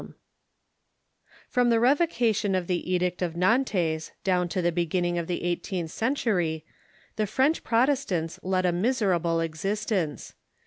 ] From the Revocation of the Edict of Nantes down to the be ginning of the eighteenth century the French Protestants led a Sufferings miserable existence.